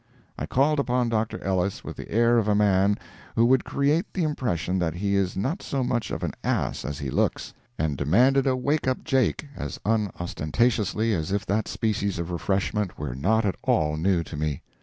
I called upon Dr. Ellis with the air of a man who would create the impression that he is not so much of an ass as he looks, and demanded a "Wake up Jake" as unostentatiously as if that species of refreshment were not at all new to me.